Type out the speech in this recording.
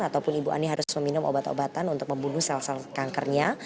ataupun ibu ani harus meminum obat obatan untuk membunuh sel sel kankernya